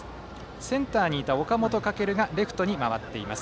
センターにいた岡本翔がレフトに回っています。